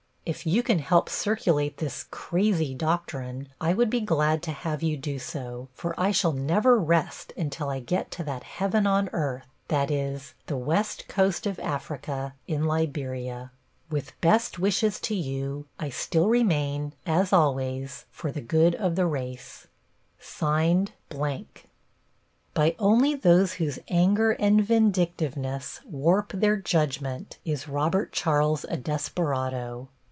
If you can help circulate this "crazy" doctrine I would be glad to have you do so, for I shall never rest until I get to that heaven on earth; that is, the west coast of Africa, in Liberia. With best wishes to you I still remain, as always, for the good of the race, By only those whose anger and vindictiveness warp their judgment is Robert Charles a desperado.